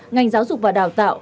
ngành giáo dục và đào tạo